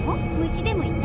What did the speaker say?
虫でもいた？